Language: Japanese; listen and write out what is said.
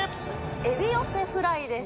エビ寄せフライです。